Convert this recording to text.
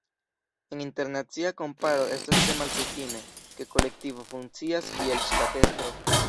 En internacia komparo estas tre malkutime, ke kolektivo funkcias kiel ŝtatestro.